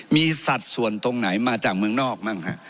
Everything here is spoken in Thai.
มีสัตว์ส่วนตรงไหนมาจากเมืองนอกมั้งครับ